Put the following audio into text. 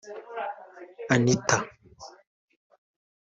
Anita